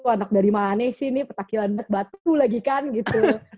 anak dari mana sih nih petakilan mek batu lagi kan gitu